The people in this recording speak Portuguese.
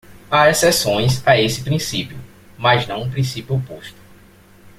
Há exceções a esse princípio, mas não um princípio oposto.